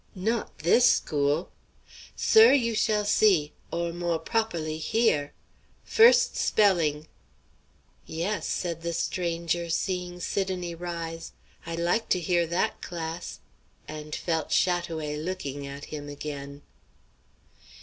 "Not this school?" "Sir, you shall see or, more p'operly, hear. First spelling!" "Yes," said the stranger, seeing Sidonie rise, "I'd like to hear that class;" and felt Chat oué looking at him again.